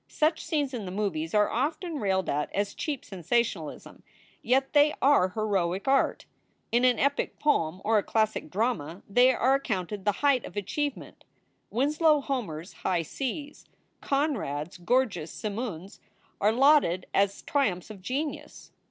Such scenes in the movies are often railed at as cheap sensationalism, yet they are heroic art. In an epic poem, or a classic drama, they are accounted the height of achieve ment. Winslow Homer s high seas, Conrad s gorgeous simooms, are lauded as triumphs of genius.